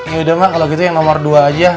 yaudah mak kalo gitu yang nomor dua aja